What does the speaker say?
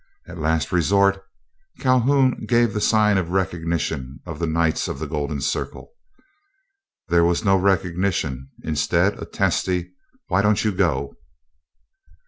As a last resort Calhoun gave the sign of recognition of the Knights of the Golden Circle. There was no recognition; instead a testy, "Why don't you go?"